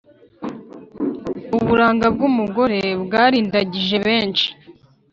uburanga bw’umugore bwarindagije benshi,